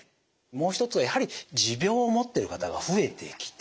もう一つはやはり持病を持ってる方が増えてきて